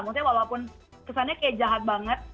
maksudnya walaupun kesannya kayak jahat banget